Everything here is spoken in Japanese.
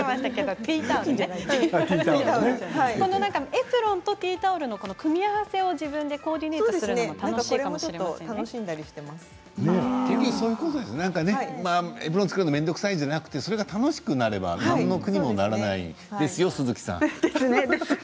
エプロンとティータオルの組み合わせを自分でコーディネートするのもエプロンを着けるのが面倒くさいじゃなくてそれが楽しければ何の苦にもならないんですよ鈴木さん。